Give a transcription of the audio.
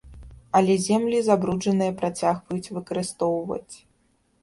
Але землі забруджаныя працягваюць выкарыстоўваць.